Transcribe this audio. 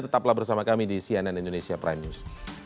tetaplah bersama kami di cnn indonesia prime news